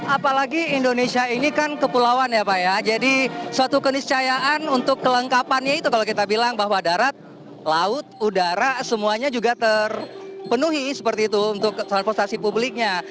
apalagi indonesia ini kan kepulauan ya pak ya jadi suatu keniscayaan untuk kelengkapannya itu kalau kita bilang bahwa darat laut udara semuanya juga terpenuhi seperti itu untuk transportasi publiknya